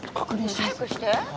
早くして。